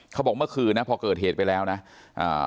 เขาบอกเมื่อคืนนะพอเกิดเหตุไปแล้วนะอ่า